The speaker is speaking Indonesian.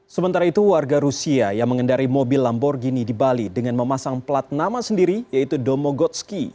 sementara itu warga rusia yang mengendari mobil lamborghini di bali dengan memasang plat nama sendiri yaitu domogotski